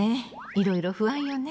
いろいろ不安よね。